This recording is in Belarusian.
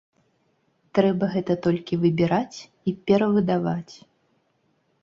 Трэба гэта толькі выбіраць і перавыдаваць.